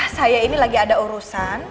saya ini lagi ada urusan